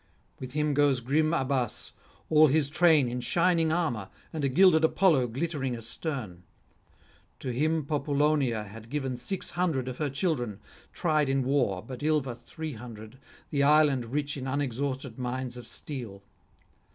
With him goes grim Abas, all his train in shining armour, and a gilded Apollo glittering astern. To him Populonia had given six hundred of her children, tried in war, but Ilva three hundred, the island rich in unexhausted mines of steel.